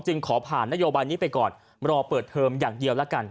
ขอผ่านนโยบายนี้ไปก่อนรอเปิดเทอมอย่างเดียวแล้วกัน